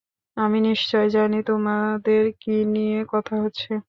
আমি নিশ্চয় জানি তোমাদের কী নিয়ে কথা হচ্ছে।